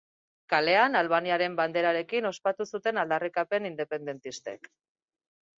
Kalean, Albaniaren banderarekin ospatu zuten aldarrikapen independentistek.